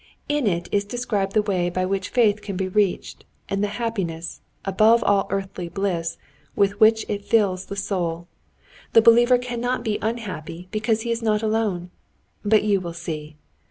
In it is described the way by which faith can be reached, and the happiness, above all earthly bliss, with which it fills the soul. The believer cannot be unhappy because he is not alone. But you will see."